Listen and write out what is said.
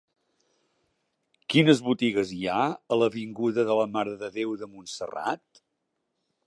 Quines botigues hi ha a l'avinguda de la Mare de Déu de Montserrat?